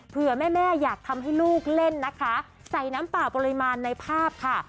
เพื่อแม่แม่อยากทำให้ลูกเล่นนะคะใส่น้ำเปล่าปริมาณในภาพค่ะ